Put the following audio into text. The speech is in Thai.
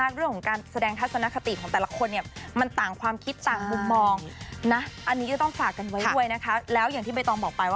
คนอื่นได้คนอื่นเขาก็ตอบกลับมาหาเราได้